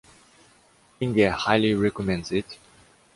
Inge highly recommends it.